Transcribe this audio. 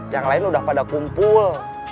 yang lain udah pada kumpul